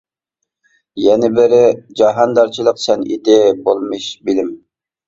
يەنە بىرى، جاھاندارچىلىق سەنئىتى بولمىش بىلىم.